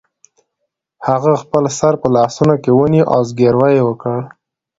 هغه خپل سر په لاسونو کې ونیو او زګیروی یې وکړ